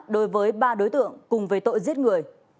đối với ba đối tượng cùng về tội giết người